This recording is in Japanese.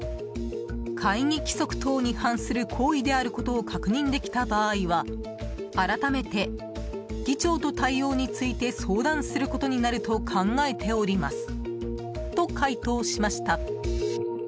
会議規則等に反する行為であることを確認できた場合は改めて、議長と対応について相談することになると考えておりますと回答しました。